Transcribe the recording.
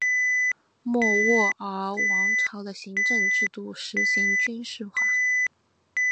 莫卧儿王朝的行政制度实行军事化。